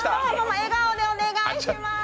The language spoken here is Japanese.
笑顔でお願いします。